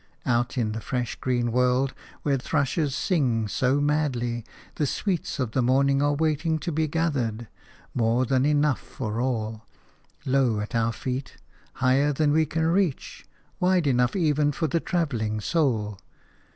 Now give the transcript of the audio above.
Out in the fresh, green world, where thrushes sing so madly, the sweets of the morning are waiting to be gathered – more than enough for all, low at our feet, higher than we can reach, wide enough even for the travelling soul.